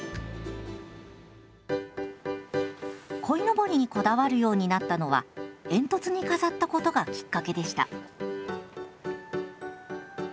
こいのぼりにこだわるようになったのは煙突に飾ったことがきっかけでした。